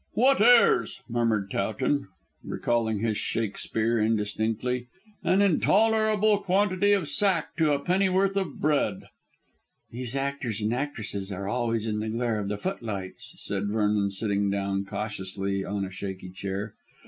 "What airs!" murmured Towton, recalling his Shakespeare indistinctly; "an intolerable quantity of sack to a pennyworth of bread." "These actors and actresses are always in the glare of the footlights," said Vernon, sitting down cautiously on a shaky chair.